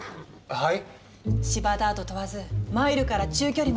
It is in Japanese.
はい？